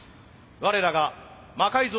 我らが魔改造